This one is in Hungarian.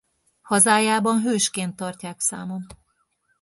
Hazájában hősként tartják számon.